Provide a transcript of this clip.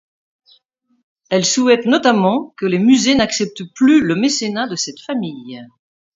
Elle souhaite notamment que les musées n'acceptent plus le mécénat de cette famille.